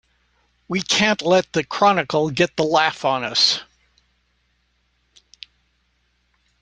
We can't let the Chronicle get the laugh on us!